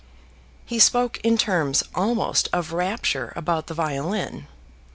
He spoke in terms almost of rapture about the violin.